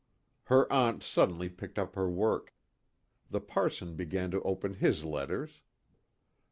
Her aunt suddenly picked up her work. The parson began to open his letters.